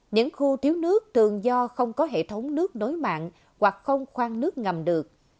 những khu thiếu nước thường do không có hệ thống nước nối mạng hoặc không khoan nước ngầm được